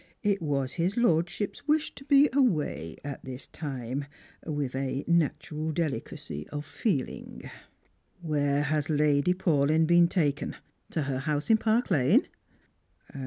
It was his lord ship's wish to be away at the time — with a natural deUckisy of feehng." " Where has Lady Paulyn been taken ? To her house in Park lane?"